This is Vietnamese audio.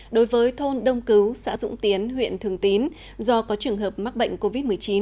đối với thôn đông cứu xã dũng tiến huyện thường tín do có trường hợp mắc bệnh covid một mươi chín